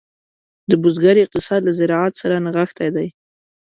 د بزګر اقتصاد له زراعت سره نغښتی دی.